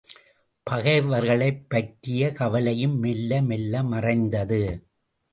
பகைவர்களைப் பற்றிய கவலையும் மெல்ல மெல்ல மறைந்தது.